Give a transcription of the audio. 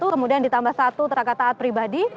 kemudian ditambah satu terangkat taat pribadi